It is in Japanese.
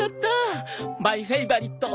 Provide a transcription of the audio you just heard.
マイフェイバリット